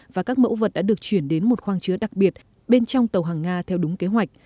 và các mẫu vật đã được chuyển đến một khoang chứa đặc biệt bên trong tàu hàng nga theo đúng kế hoạch